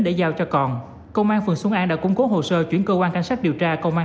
để giao cho còn công an phường xuân an đã củng cố hồ sơ chuyển cơ quan cảnh sát điều tra công an